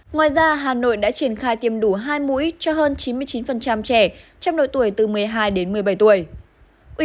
ngoài ra hà nội đã triển khai tiêm đủ hai mũi cho hơn chín mươi chín trẻ trong độ tuổi từ một mươi hai đến một mươi bảy tuổi